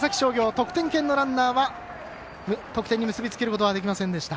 得点圏のランナーは得点に結び付けることはできませんでした。